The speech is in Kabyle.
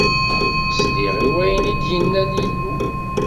Sliɣ i wayen i d-inna Yillu.